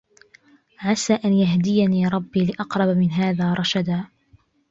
عسى أن يهديني ربي لأقرب من هذا رشدًا.